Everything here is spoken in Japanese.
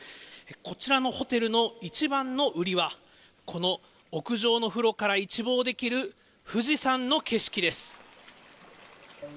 こちらのホテルの一番の売りは、この屋上の風呂から一望できる富士山の景色です。